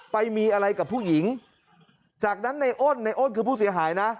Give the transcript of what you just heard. ไปมีอะไรกับผู้หญิงจากนั้นในอ้นในอ้นคือผู้เสียหายนะ